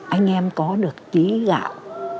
anh em có được tí gạo